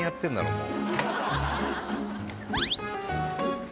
もう。